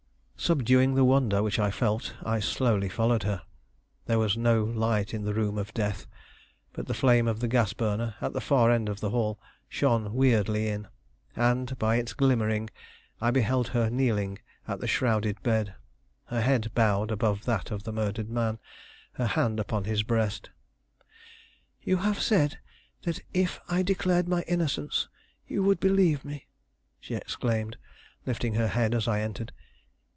Subduing the wonder which I felt, I slowly followed her. There was no light in the room of death, but the flame of the gas burner, at the far end of the hall, shone weirdly in, and by its glimmering I beheld her kneeling at the shrouded bed, her head bowed above that of the murdered man, her hand upon his breast. "You have said that if I declared my innocence you would believe me," she exclaimed, lifting her head as I entered.